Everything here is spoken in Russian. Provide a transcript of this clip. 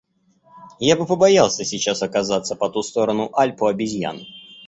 Я бы побоялся сейчас оказаться по ту сторону Альп у обезьян.